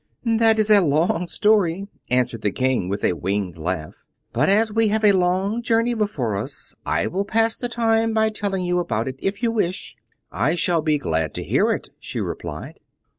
"That is a long story," answered the King, with a winged laugh; "but as we have a long journey before us, I will pass the time by telling you about it, if you wish." "I shall be glad to hear it," she replied.